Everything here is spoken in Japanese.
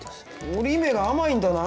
折り目が甘いんだな！